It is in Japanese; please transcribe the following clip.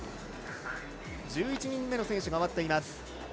１１人目の選手が終わっています。